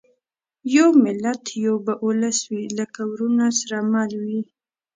یو ملت یو به اولس وي لکه وروڼه سره مله وي